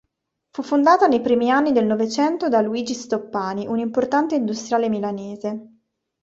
Fu fondata nei primi anni del Novecento da Luigi Stoppani, un importante industriale milanese.